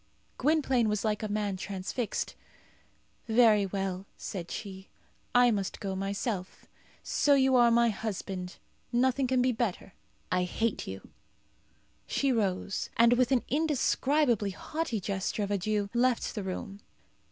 Gwynplaine was like a man transfixed. "Very well," said she; "I must go myself. So you are my husband. Nothing can be better. I hate you." She rose, and with an indescribably haughty gesture of adieu left the room.